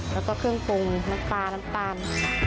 แล้วก็เครื่องปรุงน้ำปลาน้ำตาล